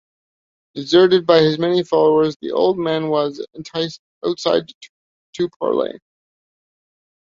Deserted by many of his followers, the old man was enticed outside to parley.